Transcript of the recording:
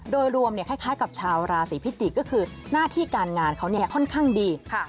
โดยรวมคล้ายกับชาวราศีพิจิกก็คือหน้าที่การงานเขาค่อนข้างดี